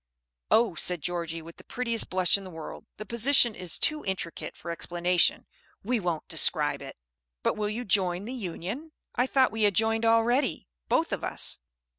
"Oh," said Georgie, with the prettiest blush in the world, "the position is too intricate for explanation; we won't describe it." "But will you join the Union?" "I thought we had joined already, both of us."